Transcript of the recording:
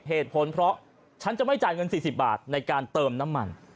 เหตุผลเพราะฉันจะไม่จ่ายเงิน๔๐บาทในการเติมน้ำมัน